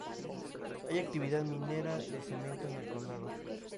Hay actividad minera de cemento en el condado.